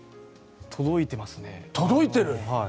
届いてますね。